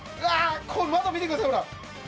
この窓見てくださいほら。